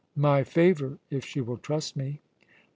"My favour, if she will trust me."